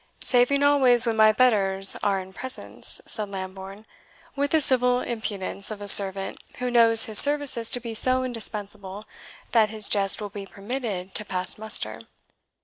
"Saving always when my betters are in presence," said Lambourne, with the civil impudence of a servant who knows his services to be so indispensable that his jest will be permitted to pass muster.